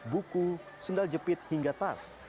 buku sendal jepit hingga tas